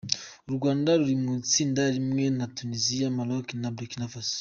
U Rwanda ruri mu itsinda rimwe na Tuniziya, Maroc na Burkinafaso.